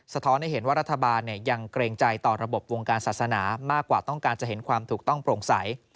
ท้อนให้เห็นว่ารัฐบาลยังเกรงใจต่อระบบวงการศาสนามากกว่าต้องการจะเห็นความถูกต้องโปร่งใส